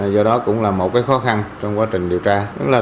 do đó cũng là một khó khăn trong quá trình điều tra